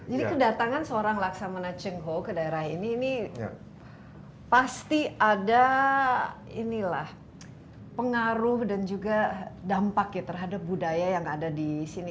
jadi kedatangan seorang laksamana cengho ke daerah ini ini pasti ada inilah pengaruh dan juga dampak ya terhadap budaya yang ada di sini